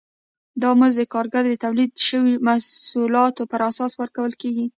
دا مزد د کارګر د تولید شویو محصولاتو پر اساس ورکول کېږي